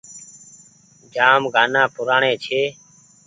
جآم گآنآ پرآني ڇي ۔